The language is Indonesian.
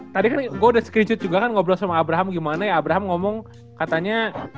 tadi kan gue udah sekericut juga kan ngobrol sama abraham gimana ya abraham ngomong katanya